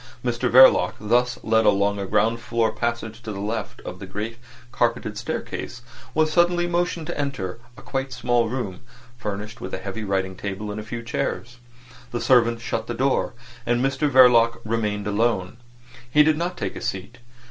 Mr Verloc, thus led along a ground floor passage to the left of the great carpeted staircase, was suddenly motioned to enter a quite small room furnished with a heavy writing table and a few chairs. The servant shut the door, and Mr Verloc remained alone. He did not take a seat.